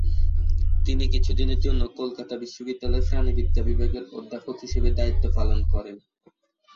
তিনি কিছুদিনের জন্য কলকাতা বিশ্ববিদ্যালয়ে প্রাণিবিদ্যা বিভাগের অধ্যাপক হিসেবে দায়িত্ব পালন করেন।